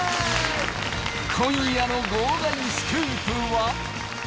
今夜の『号外スクープ』は。